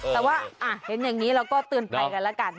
แต่ว่าเห็นอย่างนี้เราก็เตือนภัยกันแล้วกัน